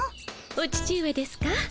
お父上ですか？